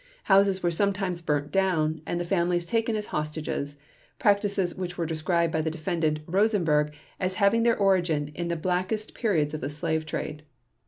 Houses were sometimes burnt down, and the families taken as hostages, practices which were described by the Defendant Rosenberg as having their origin "in the blackest periods of the slave trade".